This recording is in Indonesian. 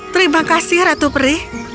terima kasih ratu prih